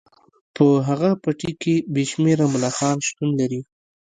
په هغه پټي کې بې شمیره ملخان شتون لري